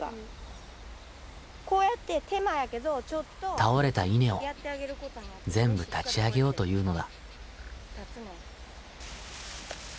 倒れた稲を全部立ち上げようというのだ。